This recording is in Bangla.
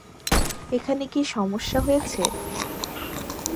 এখানে কী সমস্যা হয়েছে?